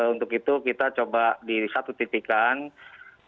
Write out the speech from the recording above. untuk itu kita coba di satu titikan di gor bumi patra ru enam balongan